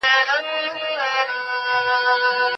د هیوادونو ترقي نسبي بڼه لري.